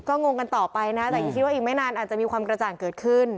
ก็งงกันต่อไปนะแต่ยังคิดว่าอีกไม่นานอาจจะมีความกระจ่างเกิดขึ้น